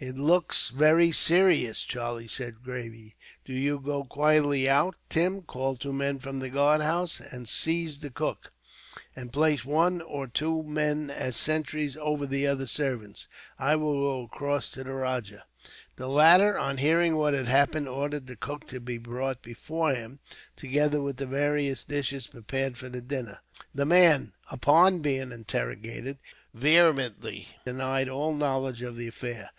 "It looks very serious," Charlie said, gravely. "Do you go quietly out, Tim, call two men from the guardhouse, and seize the cook; and place one or two men as sentries over the other servants. I will go across to the rajah." The latter, on hearing what had happened, ordered the cook to be brought before him, together with the various dishes prepared for the dinner. The man, upon being interrogated, vehemently denied all knowledge of the affair.